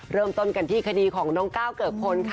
เริ่มต้นกันที่คดีของน้องก้าวเกิกพลค่ะ